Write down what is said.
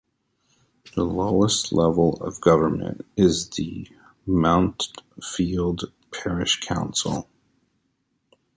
The lowest level of government is the Mountfield parish council.